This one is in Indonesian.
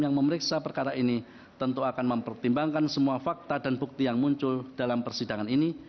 yang memeriksa perkara ini tentu akan mempertimbangkan semua fakta dan bukti yang muncul dalam persidangan ini